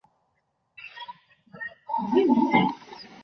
但海军司令部在随后指示必须保证水上抗沉性。